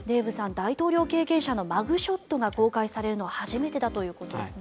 大統領経験者のマグショットが公開されるのは初めてだということですね。